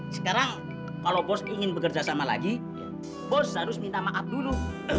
sekarang kalau bos ingin bekerja sama lagi bos harus minta maaf dulu